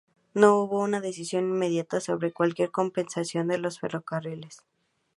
No hubo una decisión inmediata sobre cualquier compensación de los ferrocarriles.